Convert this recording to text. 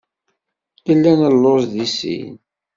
Nella nelluẓ deg sin.